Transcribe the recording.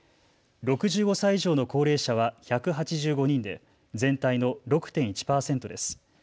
６５歳以上の高齢者は１８５人で全体の６．１％です。